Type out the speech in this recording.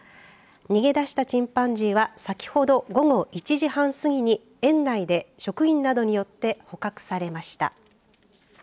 逃げ出したチンパンジーは先ほど午後１時半過ぎに園内で職員などによって捕獲されました。